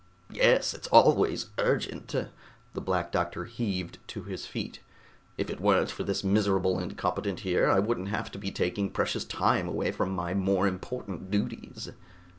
"Yes, it's always urgent." The Black Doctor heaved to his feet. "If it weren't for this miserable incompetent here, I wouldn't have to be taking precious time away from my more important duties."